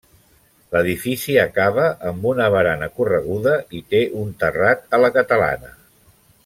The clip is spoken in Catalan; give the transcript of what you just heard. L'edifici acaba amb una barana correguda i té un terrat a la catalana.